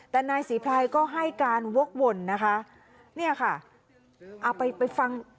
แต่นายศรีพรายก็ให้การวกวนนะคะเนี่ยค่ะเอาไปไปฟัง